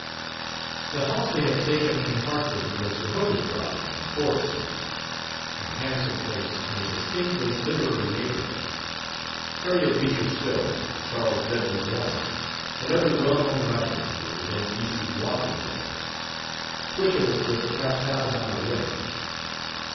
The house they had taken in Hartford was the Hooker property on Forest Street, a handsome place in a distinctly literary neighborhood. Harriet Beecher Stowe, Charles Dudley Warner, and other well known writers were within easy walking distance; Twichell was perhaps half a mile away.